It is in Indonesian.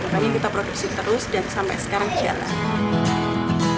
makanya kita produksi terus dan sampai sekarang jalan